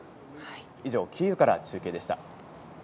以上、キーウから中継でした。